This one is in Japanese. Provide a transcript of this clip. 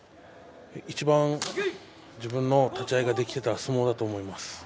いちばん自分の立ち合いができていた相撲だと思います。